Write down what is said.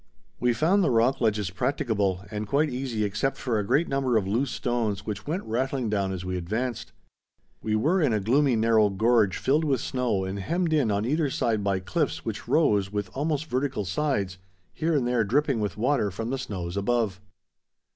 We found the rock ledges practicable and quite easy except for a great number of loose stones which went rattling down as we advanced. We were in a gloomy narrow gorge filled with snow and hemmed in on either side by cliffs which rose with almost vertical sides, here and there dripping with water from the snows above.